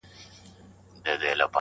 ورور له کلي لرې کيږي ډېر